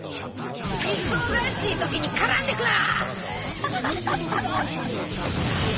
忙しい時に絡んでくな！